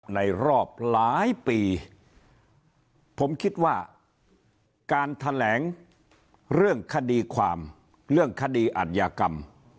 ในรอบหลายปีผมคิดว่าการแถลงเรื่องคดีความเรื่องคดีอัธยากรรม